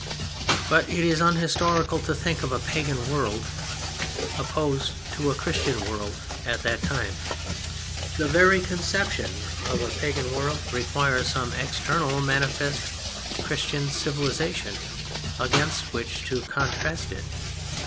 But it is unhistorical to think of a "Pagan" world opposed to a "Christian" world at that time. The very conception of "a Pagan world" requires some external manifest Christian civilization against which to contrast it.